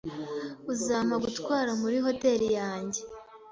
Uzampa gutwara muri hoteri yanjye?